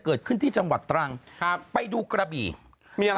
เกิดขึ้นที่จังหวัดตรังครับไปดูกระบี่มีอะไร